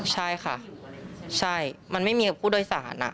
ใช่ค่ะใช่มันไม่มีผู้โดยสารอ่ะ